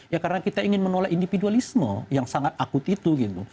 ya karena kita ingin menolak individualisme yang sangat akut itu gitu